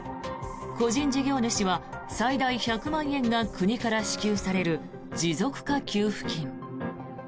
個人事業主は最大１００万円が国から支給される持続化給付金。